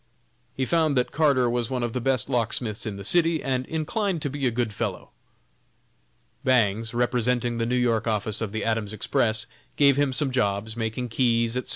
He found that Carter was one of the best locksmiths in the city, and inclined to be a good fellow. Bangs, representing the New York office of the Adams Express, gave him some jobs, making keys, etc.